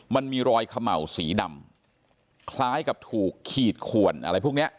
มันมีรอยเขม่าวสีดำคล้ายกับถูกขีดขวนอะไรพวกนี้